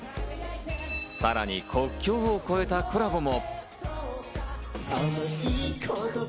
さらに国境を越えたコラボも。